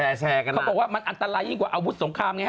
เขาบอกว่ามันอันตรายยิ่งกว่าอาวุธสงครามไงฮ